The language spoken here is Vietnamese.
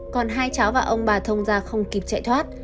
còn hai cháu và ông bà thông ra không kịp chạy thoát